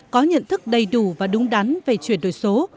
có nhận thức đầy đủ và đúng đắn về chuyển đổi số